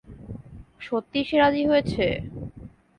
সত্যিই সে রাজি হয়েছে?